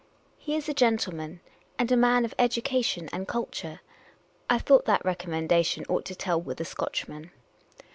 " He is a gentleman, and a man of education and culture." I thought that recom mendation ought to tell with a Scotchman.